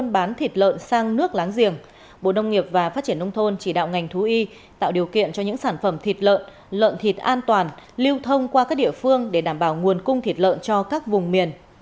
bộ đông nghiệp và phát triển nông thôn chỉ đạo ngành thú y tạo điều kiện cho những sản phẩm thịt lợn lợn thịt an toàn lưu thông qua các địa phương để đảm bảo nguồn cung thịt lợn cho các vùng miền